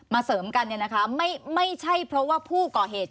เสริมกันเนี่ยนะคะไม่ใช่เพราะว่าผู้ก่อเหตุ